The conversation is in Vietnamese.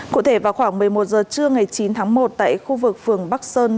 cụ thể vào khoảng một mươi một h trưa ngày chín tháng một tại khu vực phường bắc sơn